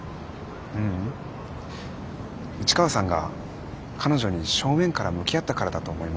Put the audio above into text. ううん市川さんが彼女に正面から向き合ったからだと思います。